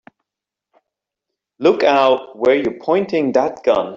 Look out where you're pointing that gun!